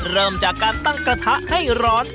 เริ่มจากการตั้งกระทะให้ร้อน